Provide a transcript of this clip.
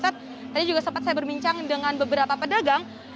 tadi juga sempat saya berbincang dengan beberapa pedagang